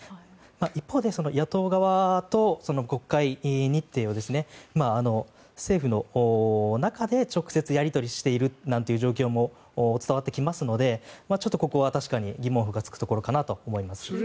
一方で野党側と国会日程を政府の中で直接やり取りしているなんていう状況も伝わってきますのでちょっとここは確かに疑問符がつくところかなと思います。